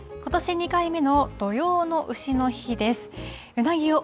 ことし２回目の土用のうしの日です。